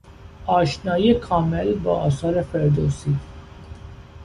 آشنایی کامل با آثار فردوسی